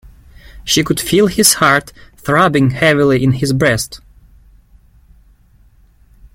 She could feel his heart throbbing heavily in his breast.